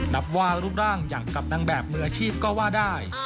นับว่ารูปร่างอย่างกับนางแบบมืออาชีพก็ว่าได้